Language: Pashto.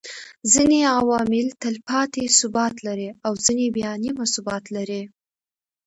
ځيني عوامل تلپاتي ثبات لري او ځيني بيا نيمه ثبات لري